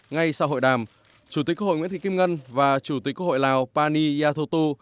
ngay sau hội đàm chủ tịch quốc hội nguyễn thị kim ngân và chủ tịch quốc hội lào pani yathotu